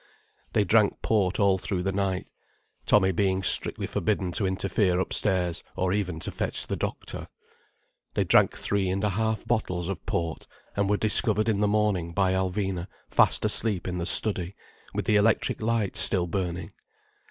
They drank port all through the night, Tommy being strictly forbidden to interfere upstairs, or even to fetch the doctor. They drank three and a half bottles of port, and were discovered in the morning by Alvina fast asleep in the study, with the electric light still burning.